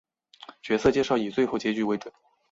角色介绍以最后结局为准。